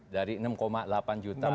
dari enam delapan juta